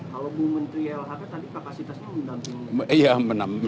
kalau bung menteri lhk tadi kapasitasnya mendampingi